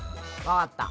あわかった。